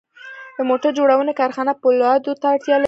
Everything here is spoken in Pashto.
د موټر جوړونې کارخانه پولادو ته اړتیا لري